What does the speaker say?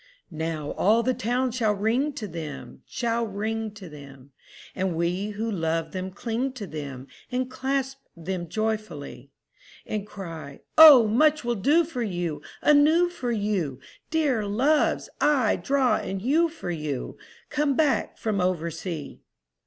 II Now all the town shall ring to them, Shall ring to them, And we who love them cling to them And clasp them joyfully; And cry, "O much we'll do for you Anew for you, Dear Loves!—aye, draw and hew for you, Come back from oversea."